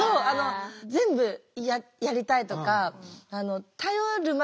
全部やりたいとかある時